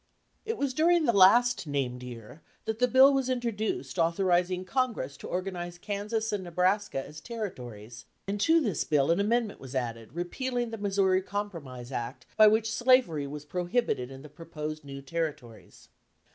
It was during the last named year that the bill was introduced author izing Congress to organize Kansas and Nebraska 263 LINCOLN THE LAWYER as Territories, and to this bill an amendment was added repealing the Missouri Compromise Act by which slavery was prohibited in the proposed new Territories.